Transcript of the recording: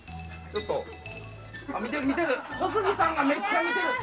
ちょっと小杉さんがめっちゃ見てるで！